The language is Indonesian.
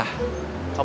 mungkin ada barang